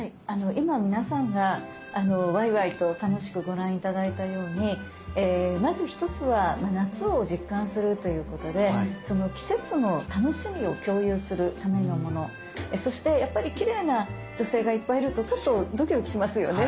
今皆さんがワイワイと楽しくご覧頂いたようにまず１つは夏を実感するということでそしてやっぱりきれいな女性がいっぱいいるとちょっとドキドキしますよね。